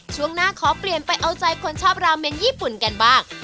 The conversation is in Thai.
ช่วงหน้าขอเปลี่ยนไปเอาใจคนชอบราเมนญี่ปุ่นกันบ้าง